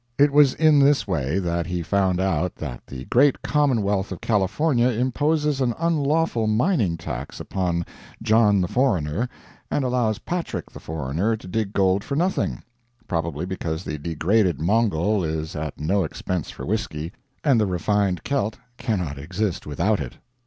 It was in this way that he found out that the great commonwealth of California imposes an unlawful mining tax upon John the foreigner, and allows Patrick the foreigner to dig gold for nothing probably because the degraded Mongol is at no expense for whisky, and the refined Celt cannot exist without it.